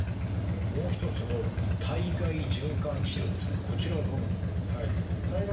もう一つの体外循環治療ですがこちらはどんなものなんですか？